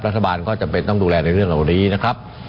รัฐบาลก็จำเป็นต้องดูแลในเรื่องเหล่านี้นะครับ